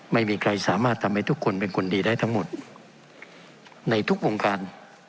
ไม่มีใครสามารถทำให้ทุกคนเป็นคนดีได้ทั้งหมดในทุกวงการ